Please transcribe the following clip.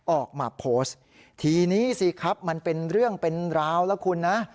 ออกมาโพสต์ทีนี้สิครับมันเป็นเรื่องเป็นราวแล้วคุณนะ